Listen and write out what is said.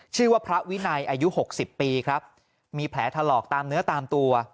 ชื่อว่าพระวินัยอายุหกสิบปีครับมีแผลถลอกตามเนื้อตามตัว